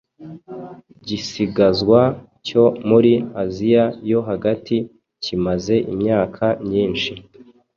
gisigazwa cyo muri asia yo hagati kimaze imyaka myinshi.